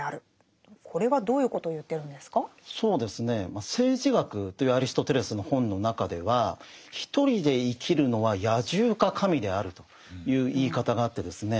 まあ「政治学」というアリストテレスの本の中ではという言い方があってですね